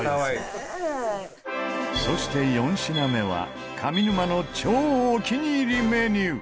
そして４品目は上沼の超お気に入りメニュー。